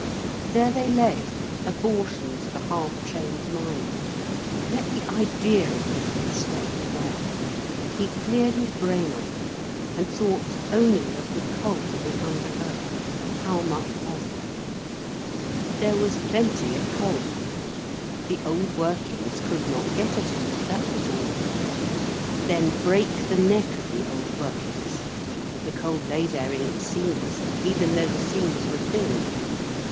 There they lay, abortions of a half trained mind. Let the idea of them be swept away. He cleared his brain of them, and thought only of the coal in the under earth. How much was there? There was plenty of coal. The old workings could not get at it, that was all. Then break the neck of the old workings. The coal lay there in its seams, even though the seams were thin.